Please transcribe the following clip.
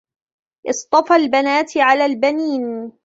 أصطفى البنات على البنين